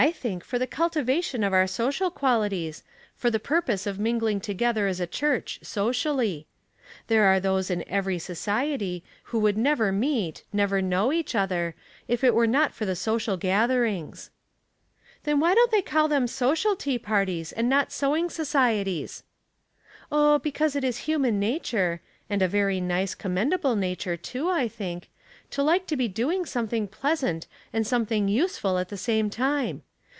"/ think for the cultivation of our social qualities, for the purpose of mingling together as a church socially. There are those in every society, who would never meet, never know 270 Household Puzzles, each other, if it were not for the social gath erings." '' Then why don't they call them social tea parties, and not sewing societies ?" "Oh, because it is human nature — and a very nice, commendable nature, too, I think, to like to be doing something pleasant and something useful at the same time.